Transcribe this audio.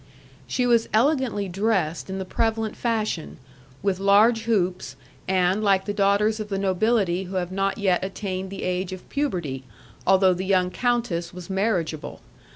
She was elegantly dressed in the prevalent fashion, with large hoops, and like the daughters of the nobility who have not yet attained the age of puberty, although the young countess was marriageable.